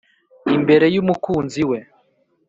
imbere y’umukunzi we